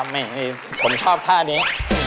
ไม่ผมชอบท่านี้